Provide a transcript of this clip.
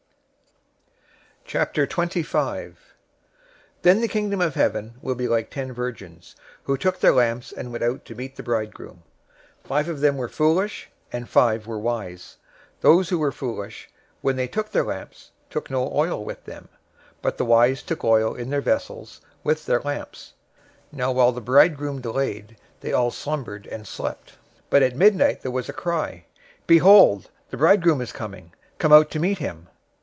025:001 "Then the Kingdom of Heaven will be like ten virgins, who took their lamps, and went out to meet the bridegroom. 025:002 Five of them were foolish, and five were wise. 025:003 Those who were foolish, when they took their lamps, took no oil with them, 025:004 but the wise took oil in their vessels with their lamps. 025:005 Now while the bridegroom delayed, they all slumbered and slept. 025:006 But at midnight there was a cry, 'Behold! The bridegroom is coming! Come out to meet him!'